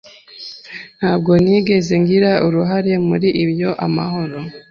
Ntabwo nigeze ngira uruhare muri ayo mahano.